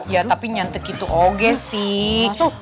ya tapi nyantik itu oge sih